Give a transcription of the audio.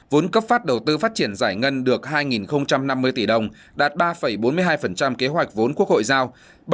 vốn cấp phát đầu tư phát triển giải ngân được hai năm mươi tỷ đồng đạt ba bốn mươi hai kế hoạch vốn quốc hội giao